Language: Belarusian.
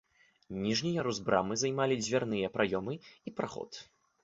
Ніжні ярус брамы займалі дзвярныя праёмы і праход.